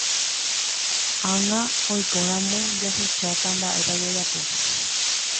Ág̃a oikóramo jahecháta mba'épa jajapo.